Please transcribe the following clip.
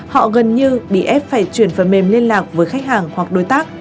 họ gần như bị ép phải chuyển phần mềm liên lạc với khách hàng hoặc đối tác